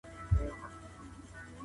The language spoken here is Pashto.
O ګروپ وزن په آسانۍ کموي.